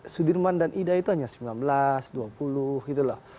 sudirman dan ida itu hanya sembilan belas dua puluh gitu loh